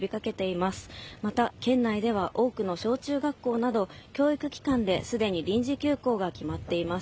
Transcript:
また、県内では多くの小中学校など教育機関で既に臨時休校が決まっています。